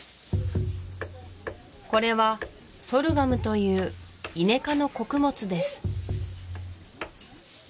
これはソルガムというイネ科の穀物です